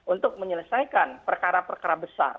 untuk menyelesaikan perkara perkara besar